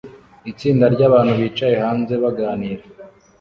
Itsinda ryabantu bicaye hanze baganira